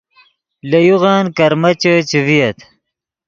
لے یوغن کرمیچے چے ڤییت